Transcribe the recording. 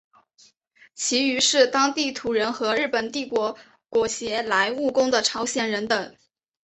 其余是当地土人和日本帝国裹挟来务工的朝鲜人等。